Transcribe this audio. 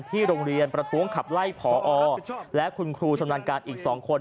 โรงเรียนประท้วงขับไล่พอและคุณครูชำนาญการอีก๒คน